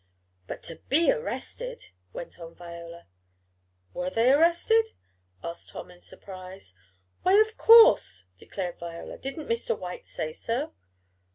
"But to be arrested!" went on Viola. "Were they arrested?" asked Tom in surprise. "Why, of course," declared Viola. "Didn't Mr. White say so?"